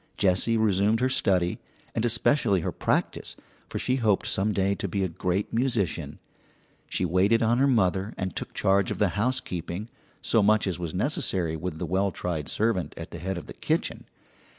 Jessie resumed her study, and especially her practice, for she hoped some day to be a great musician. She waited on her mother and took charge of the housekeeping, so much as was necessary with the well tried servant at the head of the kitchen.